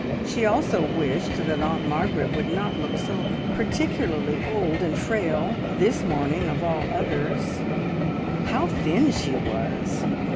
She also wished that Aunt Margaret would not look so particularly old and frail this morning of all others. How thin she was!